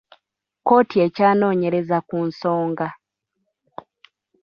Kkooti ekyanoonyereza ku nsonga.